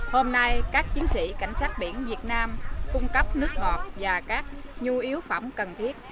hôm nay các chiến sĩ cảnh sát biển việt nam cung cấp nước ngọt và các nhu yếu phẩm cần thiết